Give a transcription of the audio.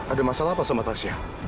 ada masalah apa sama taxya